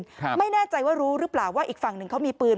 ครับไม่แน่ใจว่ารู้หรือเปล่าว่าอีกฝั่งหนึ่งเขามีปืน